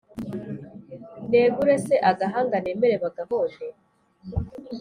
Negure se agahanga Nemere bagahonde ?